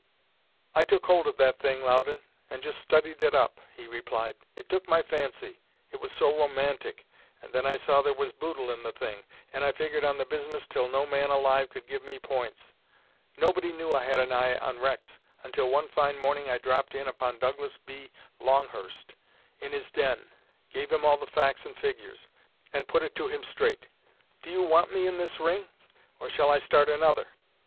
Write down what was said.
"I took hold of that thing, Loudon, and just studied it up," he replied. "It took my fancy; it was so romantic, and then I saw there was boodle in the thing; and I figured on the business till no man alive could give me points. Nobody knew I had an eye on wrecks till one fine morning I dropped in upon Douglas B. Longhurst in his den, gave him all the facts and figures, and put it to him straight: 'Do you want me in this ring? or shall I start another?'